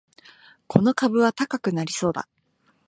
この株は高くなりそうだ